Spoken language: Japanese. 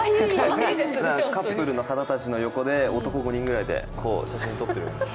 カップルの方たちの横で男５人ぐらいでこう写真撮ってる。